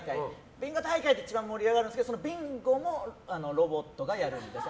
ビンゴ大会って一番盛り上がるんですけどそのビンゴもロボットがやるんですよ。